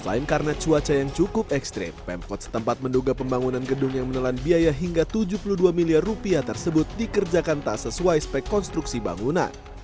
selain karena cuaca yang cukup ekstrim pemkot setempat menduga pembangunan gedung yang menelan biaya hingga tujuh puluh dua miliar rupiah tersebut dikerjakan tak sesuai spek konstruksi bangunan